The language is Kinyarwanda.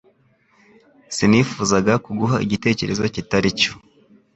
Sinifuzaga kuguha igitekerezo kitari cyo